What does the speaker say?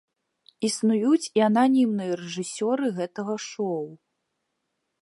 Існуюць і ананімныя рэжысёры гэтага шоў.